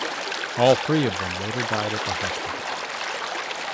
All three of them later died at the hospital.